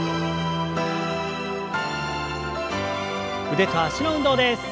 腕と脚の運動です。